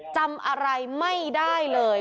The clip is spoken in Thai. จำอะไรไม่ได้เลย